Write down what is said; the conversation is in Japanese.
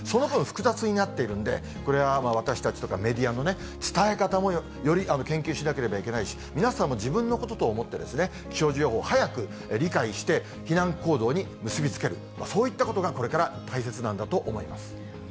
その分、複雑になっているんで、これは私たちとかメディアの伝え方もより研究しなければいけないし、皆さんも自分のことと思って、気象情報、早く理解して、避難行動に結び付ける、そういったことがこれから大切なんだと思います。